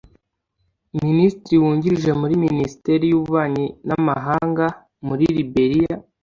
Minisitiri wungirije muri Minisiteri y’Ububanyi n’Amahanga muri Liberia